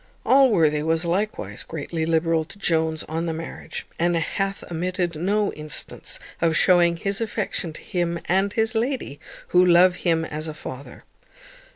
Allworthy was likewise greatly liberal to Jones on the marriage, and hath omitted no instance of shewing his affection to him and his lady, who love him as a father.